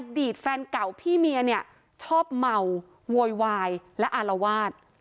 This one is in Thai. แฟนเก่าพี่เมียเนี่ยชอบเมาโวยวายและอารวาส